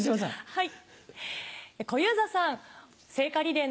はい。